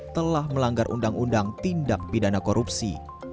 telah melanggar undang undang tindak pidana korupsi